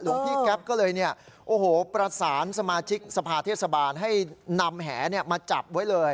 หลวงพี่แก๊ปก็เลยประสานสมาชิกสภาเทศบาลให้นำแหมาจับไว้เลย